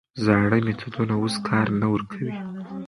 زاړه میتودونه اوس کار نه ورکوي.